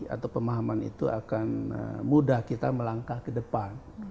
atau pemahaman itu akan mudah kita melangkah ke depan